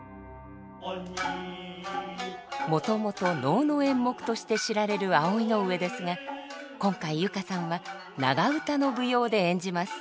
もともと能の演目として知られる「葵の上」ですが今回佑歌さんは長唄の舞踊で演じます。